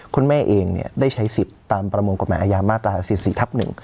คุณแม่เองได้ใช้สิทธิ์ตามประมวลกฎหมายอาญามาตรา๔๔ทับ๑